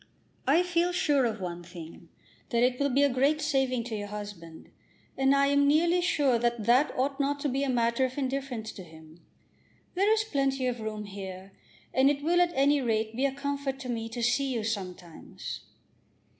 "I feel sure of one thing, that it will be a great saving to your husband, and I am nearly sure that that ought not to be a matter of indifference to him. There is plenty of room here, and it will at any rate be a comfort to me to see you sometimes."